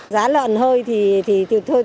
giá lợn hơi thì thôi